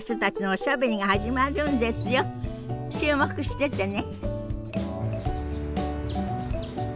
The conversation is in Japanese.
注目しててね。